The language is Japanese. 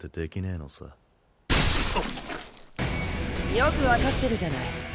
よく分かってるじゃない。